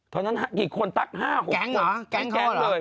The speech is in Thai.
ทักห้าหกหก